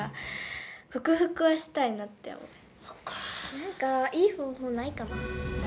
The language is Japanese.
なんかいい方法ないかな。